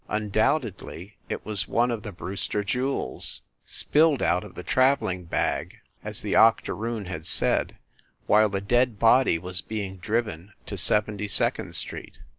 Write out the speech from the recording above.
Undoubtedly it was one of the Brewster jewels, spilled out of the traveling bag, as the octoroon had THE LIARS CLUB 85 said, while the dead body was being driven to Sev enty Second Street.